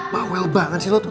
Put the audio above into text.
mawel banget sih lo tuh